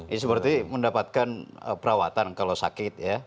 ya seperti mendapatkan perawatan kalau sakit ya